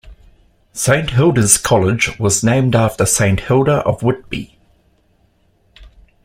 Saint Hilda's College was named after Saint Hilda of Whitby.